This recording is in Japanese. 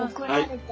はい。